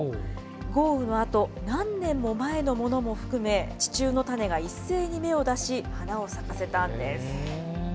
豪雨のあと、何年も前のものも含め、地中の種が一斉に芽を出し、花を咲かせたんです。